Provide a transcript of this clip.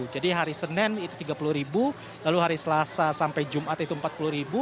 jadi hari senin itu rp tiga puluh lalu hari selasa sampai jumat itu rp empat puluh